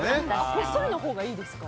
こっそりのほうがいいですか？